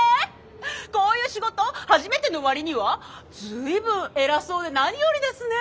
こういう仕事初めての割には随分偉そうで何よりですね。